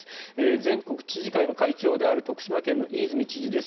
全国知事会の会長である徳島県の飯泉知事です。